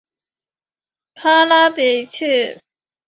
康拉德一世。